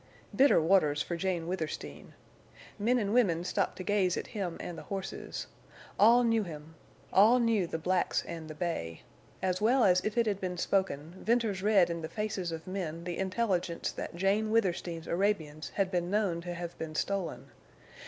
Bitter waters for Jane Withersteen! Men and women stopped to gaze at him and the horses. All knew him; all knew the blacks and the bay. As well as if it had been spoken, Venters read in the faces of men the intelligence that Jane Withersteen's Arabians had been known to have been stolen.